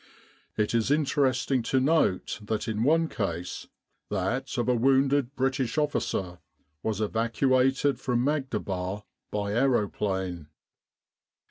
It is interesting to note that one case, that of a wounded British officer, was evacuated from Maghdaba by aeroplane."